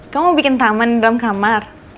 kamu bikin taman di dalam kamar